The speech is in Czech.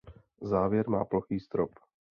Závěr má plochý strop.